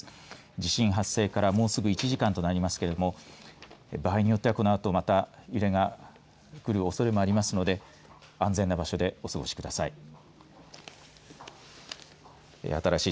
地震発生から、もうすぐ１時間となりますけれども場合によっては、このあとまた揺れがくるおそれもありますので安全な場所でお過ごしください。